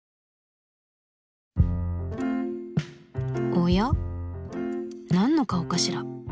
おや何の顔かしら？